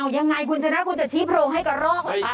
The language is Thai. ยังไงคุณชนะคุณจะชี้โพรงให้กระรอกเหรอคะ